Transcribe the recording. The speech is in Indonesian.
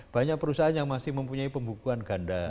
banyak perusahaan yang masih mempunyai pembukuan ganda